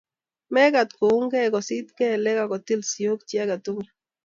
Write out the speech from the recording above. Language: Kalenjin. mekat koungei, kosit kelek, aku til sioik chi age tugul